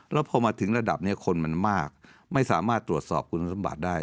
แล้วพอมาถึงระดับนี้คนมันมากไม่สามารถตรวจสอบคุณสมบัติได้